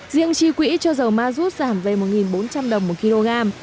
riêng chi quỹ cho dầu mazut giảm